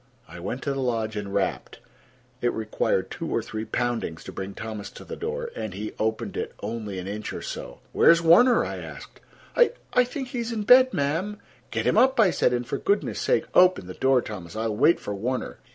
I went to the lodge and rapped. It required two or three poundings to bring Thomas to the door, and he opened it only an inch or so. "Where is Warner?" I asked. "I—I think he's in bed, ma'm." "Get him up," I said, "and for goodness' sake open the door, Thomas. I'll wait for Warner."